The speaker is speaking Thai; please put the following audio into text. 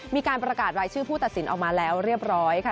มีการประกาศรายชื่อผู้ตัดสินออกมาแล้วเรียบร้อยค่ะ